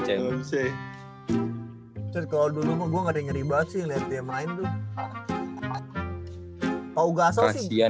kalau dulu gue gak ada yang ngeri banget sih liat dia main tuh